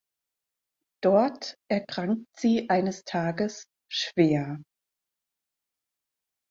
Dort erkrankt sie eines Tages schwer.